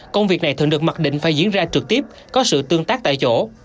công việc này thường được mặc định phải diễn ra trực tiếp có sự tương tác tại chỗ